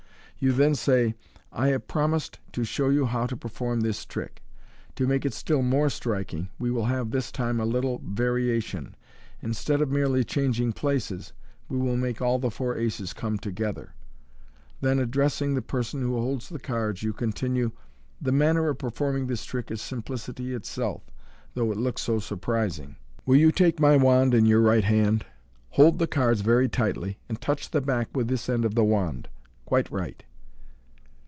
You then say, " I have promised to show you how to perform this trick. To make it still more striking, we will have this time a little variation. Instead of merely changing places, we will make all the four aces come together." Then, addressing the person who holds the cards, you continue, "The manner of performing this trick is simplicity itself, though it looks so surprising. Will you take my wand in your right hand ? Hold the cards very tightly, and toucb MODERN MAGIC the back with this end of the wand. Quite right.